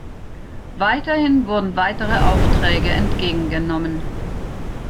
Weiterhin wurden weitere Aufträge entgegengenommen.